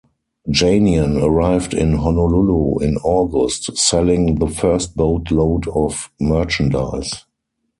Janion arrived in Honolulu in August, selling the first boat-load of merchandise.